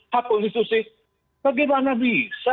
hak konstitusi bagaimana bisa